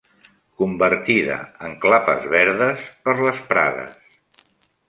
...convertida en clapes verdes per les prades